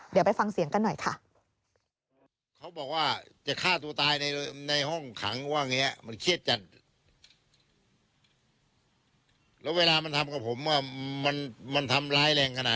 เดี๋ยวไปฟังเสียงกันหน่อยค่ะ